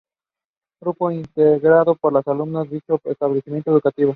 Grupo integrado por alumnas de dicho establecimiento educativo.